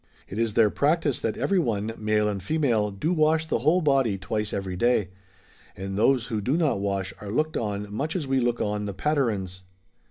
It is their practice that every one, male and female, do wash the whole body twice every day ; and those who do not wash are looked on much as we look on the Patarins.